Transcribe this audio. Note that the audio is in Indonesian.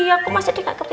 ya masa dia ngga kyk mikir